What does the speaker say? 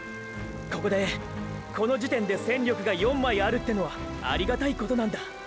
ここでこの時点で戦力が４枚あるてのはありがたいことなんだ。